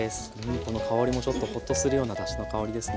この香りもちょっとほっとするようなだしの香りですね。